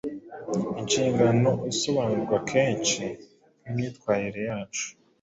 Inshingano isobanurwa kenshi nk’imyitwarire yacu